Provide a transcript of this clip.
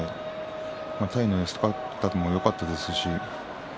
体の寄せ方もよかったですし。